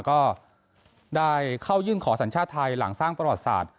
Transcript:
ก็ได้เข้ายื่นขอสัญชาติไทยหลังสร้างประวัติศาสตร์